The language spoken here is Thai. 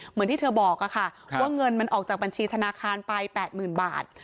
เหมือนที่เธอบอกอะค่ะครับว่าเงินมันออกจากบัญชีธนาคารปลายแปดหมื่นบาท